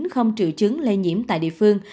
không triệu chứng lây nhiễm tại địa phương